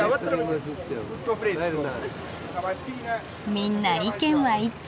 みんな意見は一致。